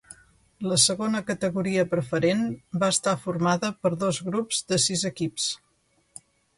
La Segona Categoria Preferent va estar formada per dos grups de sis equips.